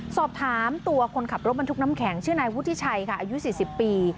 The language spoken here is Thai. สอบถามตัวคนขับรถบรรทุกน้ำแข็งชื่อนายวุฒิชัยค่ะอายุ๔๐ปี